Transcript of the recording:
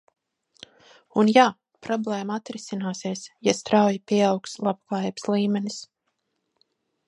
Un, jā, problēma atrisināsies, ja strauji pieaugs labklājības līmenis.